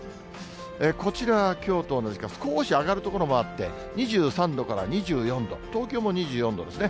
こちらはきょうと同じか、少し上がる所もあって、２３度から２４度、東京も２４度ですね。